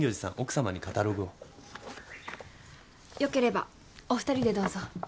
良ければお２人でどうぞ。